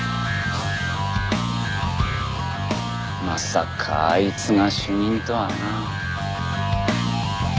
まさかあいつが主任とはな。